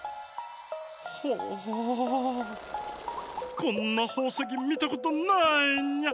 こんなほうせきみたことないニャ。